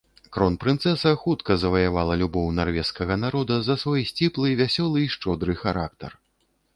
Кронпрынцэса хутка заваявала любоў нарвежскага народа за свой сціплы, вясёлы і шчодры характар.